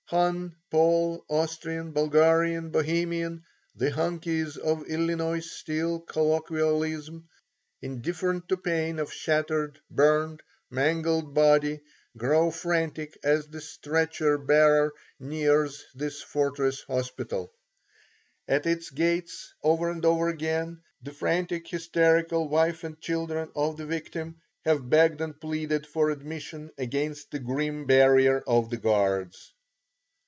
Hun, Pole, Austrian, Bulgarian, Bohemian the "Hunkies" of Illinois Steel colloquialism indifferent to pain of shattered, burned, mangled body, grow frantic as the stretcher bearers near this fortress hospital. At its gates, over and over again, the frantic, hysterical wife and children of the victim have begged and pleaded for admission against the grim barrier of the guards.